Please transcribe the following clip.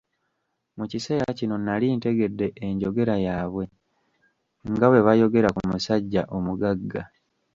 Mu kiseera kino nali ntegedde enjogera yaabwe, nga bwe bayogera ku musajja omugagga.